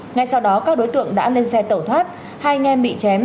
ngay sau đó các đối tượng đã lên xe tẩu thoát hai anh em bị chém